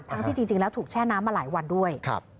ที่จริงแล้วถูกแช่น้ำมาหลายวันด้วย